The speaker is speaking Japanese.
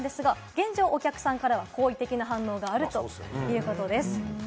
現状、お客さんからは好意的な反応があるということです。